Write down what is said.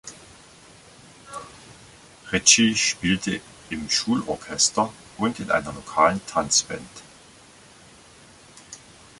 Richie spielte im Schulorchester und in einer lokalen Tanzband.